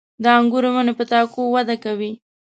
• د انګورو ونې په تاکو وده کوي.